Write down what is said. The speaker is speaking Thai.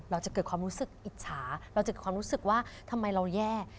เราจะเกิดความรู้สึกอิจฉาเราจะเกิดความรู้สึกว่าทำไมเราแย่